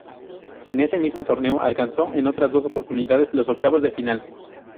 En ese mismo torneo alcanzó en otras dos oportunidades los octavos de final.